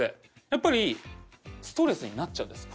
やっぱりストレスになっちゃうんです